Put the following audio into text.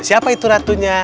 siapa itu ratunya